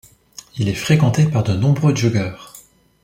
Il est fréquenté par de nombreux joggeurs.